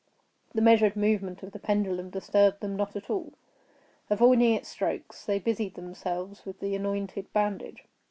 The measured movement of the pendulum disturbed them not at all. Avoiding its strokes they busied themselves with the anointed bandage.